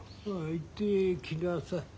行ってきなさい。